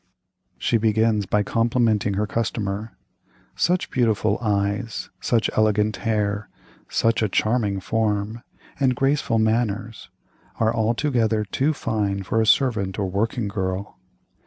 "She begins by complimenting her customer: 'such beautiful eyes, such elegant hair, such a charming form, and graceful manners, are altogether too fine for a servant or working girl.